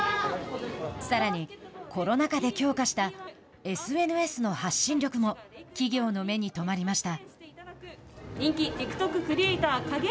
さらにコロナ禍で強化したＳＮＳの発信力も企業の目にとまりました。